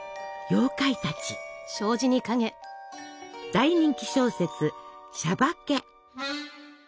大人気小説「しゃばけ」。